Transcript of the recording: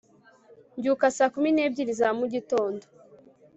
mbyuka saa kumi n'ebyiri za mu gitondo